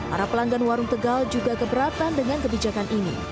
para pelanggan warung tegal juga keberatan dengan kebijakan ini